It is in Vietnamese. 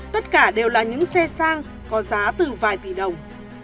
tất cả đều là những xe sang có giá từ vài tỷ đồng